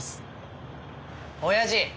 おやじ。